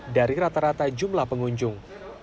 dari rata rata jumlah pengunjung